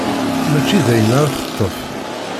Mačči dayen ara teṭṭef.